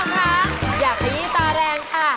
คุณผู้ชมค่ะอย่าขยี้ตาแรงค่ะ